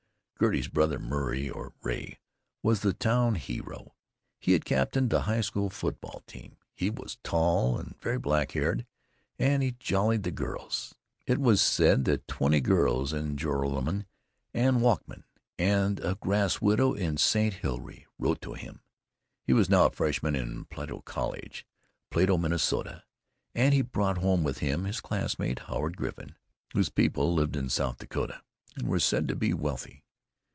Gertie's brother, Murray, or "Ray," was the town hero. He had captained the high school football team. He was tall and very black haired, and he "jollied" the girls. It was said that twenty girls in Joralemon and Wakamin, and a "grass widow" in St. Hilary, wrote to him. He was now a freshman in Plato College, Plato, Minnesota. He had brought home with him his classmate, Howard Griffin, whose people lived in South Dakota and were said to be wealthy.